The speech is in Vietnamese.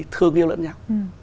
thương yêu lẫn nhau